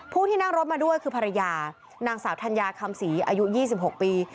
ที่นั่งรถมาด้วยคือภรรยานางสาวธัญญาคำศรีอายุ๒๖ปี